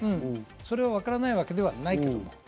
それはわからないわけではない。